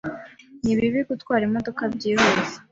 Ni bibi gutwara imodoka byihuse.